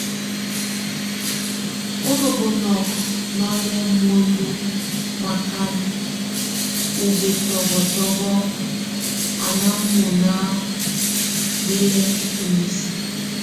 O ndobɔŋɔk nɔ́ye muendu nakan o betɔbɔtɔbɔk, a ná mona bɛlɛn o misi.